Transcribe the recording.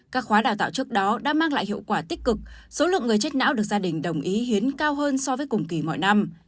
các khóa đào tạo trước đó đã mang lại hiệu quả tích cực số lượng người chết não được gia đình đồng ý hiến cao hơn so với cùng kỳ mọi năm